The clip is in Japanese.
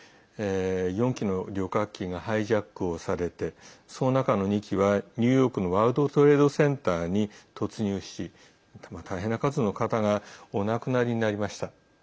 ４機の旅客機がハイジャックをされてその中の２機はニューヨークのワールドトレードセンターに突入し大変な数の方がお亡くなりになりました。